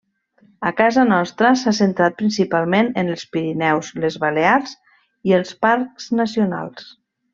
A casa nostra s'ha centrat principalment en els Pirineus, les Balears i els parcs nacionals.